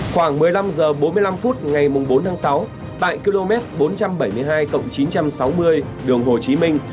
khoảng một mươi năm h bốn mươi năm phút ngày bốn tháng sáu tại km bốn trăm bảy mươi hai chín trăm sáu mươi đường hồ chí minh